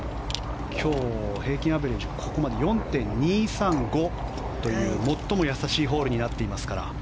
今日、平均アベレージ４．２３５という最もやさしいホールになっていますから。